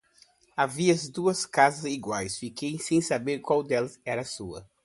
Haviam duas casas iguais, fiquei sem saber qual delas era a sua.